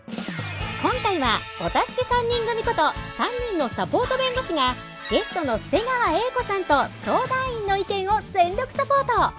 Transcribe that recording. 今回はお助け３人組こと３人のサポート弁護士がゲストの瀬川瑛子さんと相談員の意見を全力サポート。